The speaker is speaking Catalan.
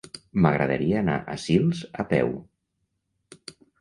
M'agradaria anar a Sils a peu.